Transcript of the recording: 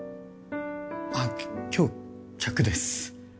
あっ今日客です。